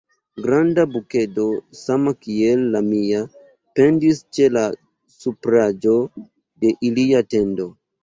Granda bukedo, sama kiel la mia, pendis ĉe la supraĵo de ilia tendo.